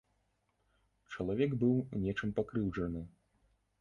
Чалавек быў нечым пакрыўджаны.